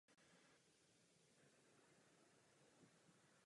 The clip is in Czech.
Pramení z ledovců na jihovýchodních svazích masívu Mont Blanc.